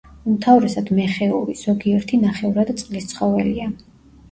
უმთავრესად მეხეური, ზოგიერთი ნახევრად წყლის ცხოველია.